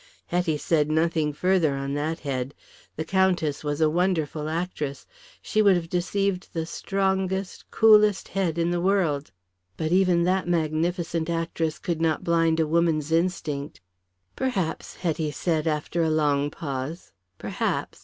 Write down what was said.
Hetty said nothing further on that head. The Countess was a wonderful actress. She would have deceived the strongest, coolest head in the world. But even that magnificent actress could not blind a woman's instinct. "Perhaps," Hetty said, after a long pause. "Perhaps.